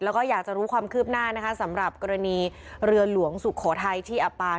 แล้วก็อยากจะรู้ความคืบหน้านะคะสำหรับกรณีเรือหลวงสุโขทัยที่อับปาง